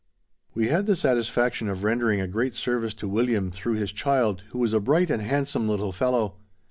We had the satisfaction of rendering a great service to William through his child, who was a bright and handsome little fellow.